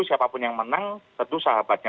siapapun yang menang tentu sahabatnya